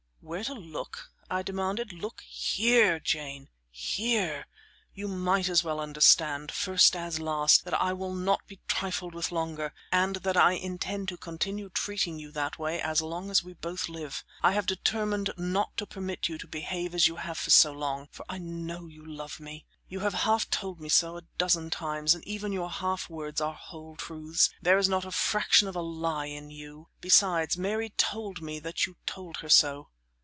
"Where to look?" I demanded. "Look here, Jane, here; you might as well understand, first as last, that I will not be trifled with longer, and that I intend to continue treating you that way as long as we both live. I have determined not to permit you to behave as you have for so long; for I know you love me. You have half told me so a dozen times, and even your half words are whole truths; there is not a fraction of a lie in you. Besides, Mary told me that you told her so."